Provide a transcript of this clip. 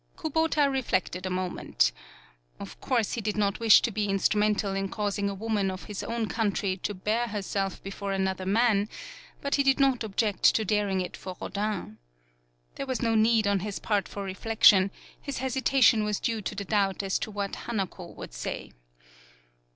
Kubota reflected a moment. Of course he did not wish to be instru mental in causing a woman of his own country to bare herself before another man, but he did not object to daring it for Rodin. There was no need on his part for reflection; his hesitation was due to the doubt as to what Hanako would say.